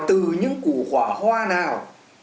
từ những củ hỏa hoa nào